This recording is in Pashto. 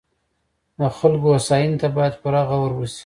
د خلکو هوساینې ته باید پوره غور وشي.